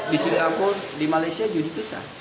di sini aku di malaysia judi bisa